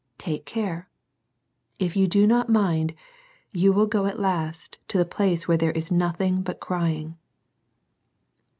Take care. If you do not mind, you will go at last to the place where there is nothing but " crying."